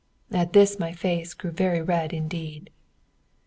(At this my face grew very red indeed.)